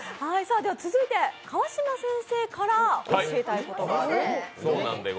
続いて川島先生から教えたいことがあると。